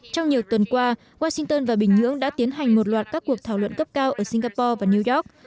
trong nhiều tuần qua washington và bình nhưỡng đã tiến hành một loạt các cuộc thảo luận cấp cao ở singapore và new york